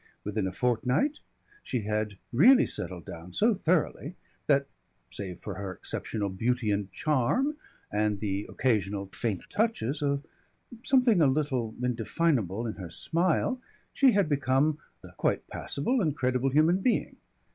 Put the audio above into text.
Within a fortnight she had really settled down so thoroughly that, save for her exceptional beauty and charm and the occasional faint touches of something a little indefinable in her smile, she had become a quite passable and credible human being.